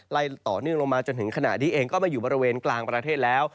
ไล่ต่อเนื่องลงมาจนถึงขณะนี้เองก็มาอยู่บริเวณกลางประเทศแล้ว